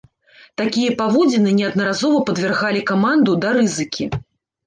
Такія паводзіны неаднаразова падвяргалі каманду да рызыкі.